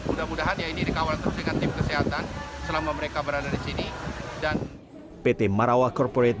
mudah mudahan ini dikawal terus dengan tim kesehatan selama mereka berada di sini